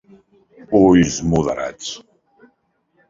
Ulls moderats.